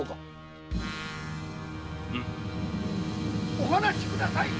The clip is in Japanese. ・お離しください！